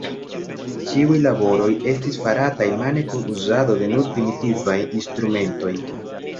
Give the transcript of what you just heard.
Ĉiuj laboroj estis farataj mane kun uzado de nur primitivaj instrumentoj.